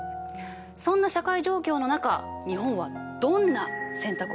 そんな社会状況の中日本はどんな選択をしたのか？